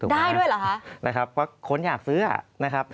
ได้ด้วยเหรอคะนะครับเพราะคนอยากซื้อนะครับ